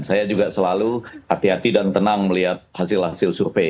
saya juga selalu hati hati dan tenang melihat hasil hasil survei